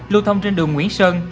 lưu thông trên đường nguyễn sơn